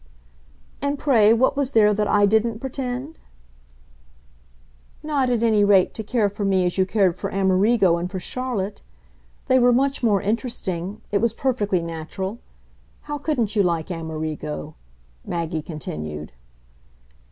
"And pray what was there that I didn't pretend?" "Not, at any rate, to care for me as you cared for Amerigo and for Charlotte. They were much more interesting it was perfectly natural. How couldn't you like Amerigo?" Maggie continued.